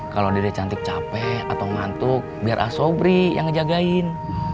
kalo dia cantik capek atau mantuk biar asobri yang ngejagain